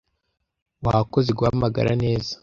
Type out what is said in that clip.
Wakoze guhamagara neza.